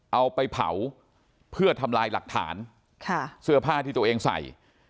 เอาไปเผาเพื่อทำลายหลักฐานค่ะเสื้อผ้าที่ตัวเองใส่